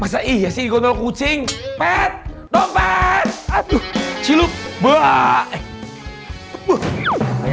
masa ih iya sih gambar kucing pet dompet ciluk boy